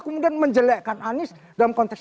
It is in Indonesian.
kemudian menjelekkan anies dalam konteks